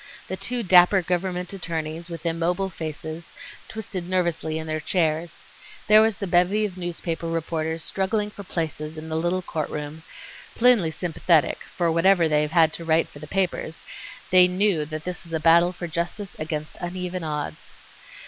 The two dapper government attorneys, with immobile faces, twisted nervously in their chairs. There was the bevy of newspaper reporters struggling for places in the little courtroom, plainly sympathetic, for whatever they may have had to write for the papers they knew that this was a battle for justice against uneven odds.